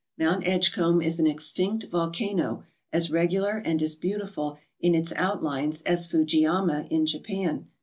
Mount Edgecombe is an extinct volcano as regular and as beautiful in its outlines as Fujiyama in Japan.